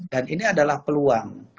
dan ini adalah peluang